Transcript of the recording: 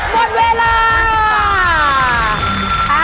หมดเวลา